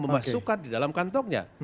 memasukkan di dalam kantongnya